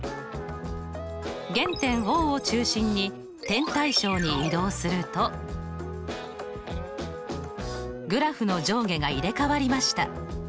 原点Ｏを中心に点対称に移動するとグラフの上下が入れ代わりました。